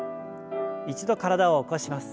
一度体を起こします。